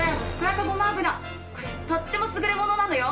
これとっても優れものなのよ。